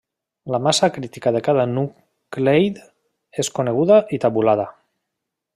La massa crítica de cada nucleid és coneguda i tabulada.